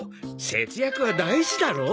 節約は大事だろ？